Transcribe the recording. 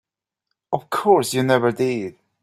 Of course you never did.